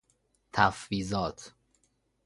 تفویضات